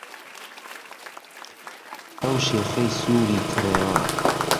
ئەو شێخەی سووری کرێوە